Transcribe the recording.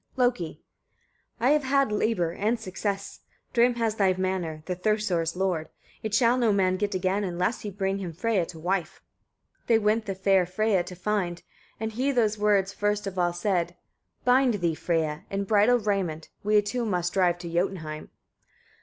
Loki. 12. "I have had labour and success: Thrym has thy hammer, the Thursar's lord. It shall no man get again, unless he bring him Freyia to wife." 13. They went the fair Freyia to find; and he those words first of all said: "Bind thee, Freyia, in bridal raiment, we two must drive to Jotunheim."